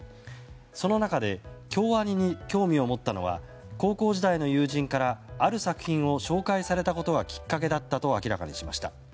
その中で京アニに興味を持ったのは高校時代の友人からある作品を紹介されたことがきっかけだったと明らかにしました。